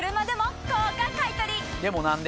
でも何で？